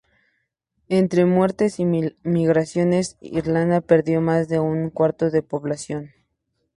Entre muertes y migraciones, Irlanda perdió más de un cuarto de su población.